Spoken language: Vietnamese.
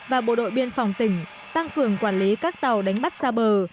và bộ đội biên phòng tỉnh tăng cường quản lý các tàu đánh bắt xa bờ